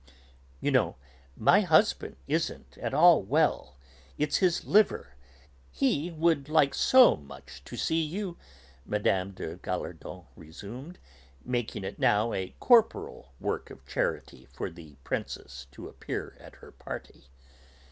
"You know, my husband isn't at all well; it's his liver. He would like so much to see you," Mme. de Gallardon resumed, making it now a corporal work of charity for the Princess to appear at her party.